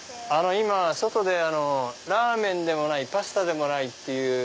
今外でラーメンでもないパスタでもないっていう。